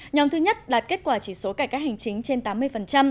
nhóm thứ nhất đạt kết quả chỉ số cải cách hành chính trên tám mươi